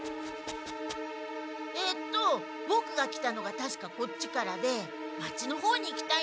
えっとボクが来たのがたしかこっちからで町の方に行きたいんですが。